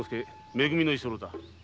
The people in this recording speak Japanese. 「め組」の居候だ。